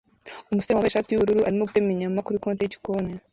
Umusore wambaye ishati yubururu arimo gutema inyama kuri konti yigikoni